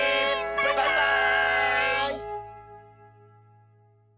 バイバーイ！